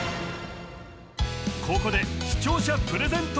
ここで視聴者プレゼント